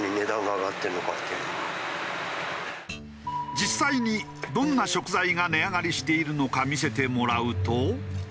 実際にどんな食材が値上がりしているのか見せてもらうと。